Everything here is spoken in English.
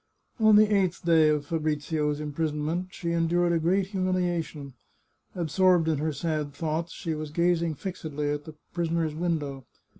On the eighth day of Fabrizio's imprisonment she en dured a great humiliation. Absorbed in her sad thoughts, she was gazing fixedly at the prisoner's window.